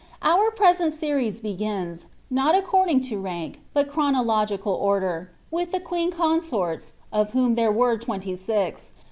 Our present series begins, not acoording to rank, but chronological order, with the queen con soria, of whom there were twenty six.